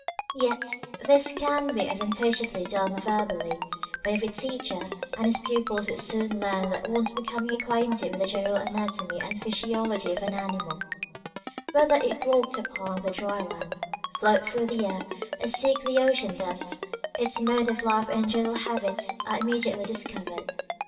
Yet, this can be advantageously done verbally, by every teacher, and his pupils will soon learn that once becoming acquainted with the general anatomy and physiology of an animal, whether it walk upon the dry land, float through the air, or seek the ocean depths, its mode of life and genei; al habits are immediately discovered.